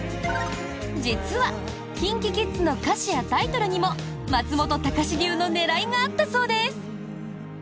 実は、ＫｉｎＫｉＫｉｄｓの歌詞やタイトルにも松本隆流の狙いがあったそうです。